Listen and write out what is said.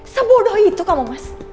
sebodoh itu kamu mas